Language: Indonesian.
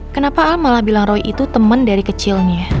kenapa al malah bilang roy itu teman dari kecilnya